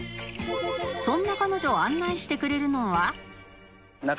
そんな彼女を案内してくれるのは